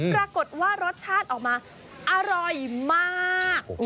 ปรากฏว่ารสชาติออกมาอร่อยมาก